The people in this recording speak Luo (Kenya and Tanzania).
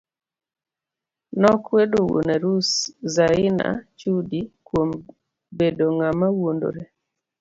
Nokwedo wuon arus Zaina Chudi kuom bendo ng'ama wuondore.